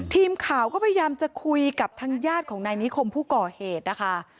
ทีมข่าวก็พยายามจะคุยกับทางญาติของนายนิคมผู้ก่อเหตุนะคะ